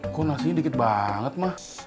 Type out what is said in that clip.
kok nasinya dikit banget mas